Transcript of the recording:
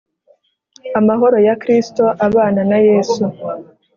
Amahoro yakristo abana nayesu